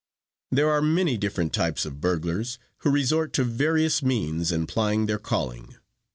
"There are many different types of burglars, who resort to various means in plying their calling.